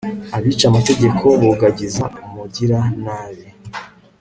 abica amategeko bogagiza umugiranabi